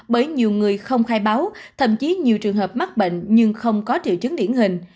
bởi nhiều người không khai báo thậm chí nhiều trường hợp mắc bệnh nhưng không có triệu chứng điển hình